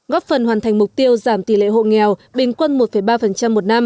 góp phần hoàn thành mục tiêu giảm tỷ lệ hộ nghèo bình quân một ba một năm